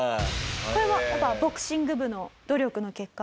これはやっぱりボクシング部の努力の結果？